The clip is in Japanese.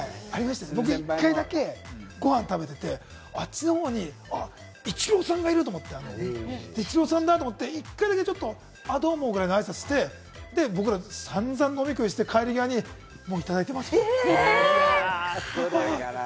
僕一回だけ、ご飯食べてて、あっちの方にイチローさんがいる！と思って、イチローさんだ！と思って、一回だけ「あー、どうも」ぐらいの挨拶して、僕らさんざん飲み食いして、帰り際に、もういただいていますみたいな。